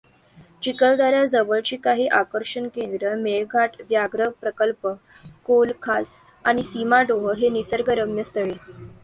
चिखलदऱ्याजवळची काही आकर्षण केंद्रे मेळघाट व्याघ्रप्रकल्प, कोलखास आणि सीमाडोह हे निसर्गरम्य स्थळे.